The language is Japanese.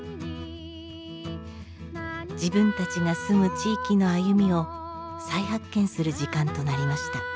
自分たちが住む地域の歩みを再発見する時間となりました。